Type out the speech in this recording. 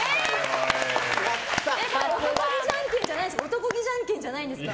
男気じゃんけんじゃないんですか。